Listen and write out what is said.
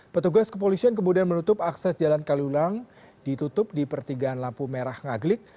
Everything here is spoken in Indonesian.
petugas kepolisian kemudian menutup akses jalan kaliulang ditutup di pertigaan lampu merah ngaglik